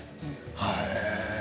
はい。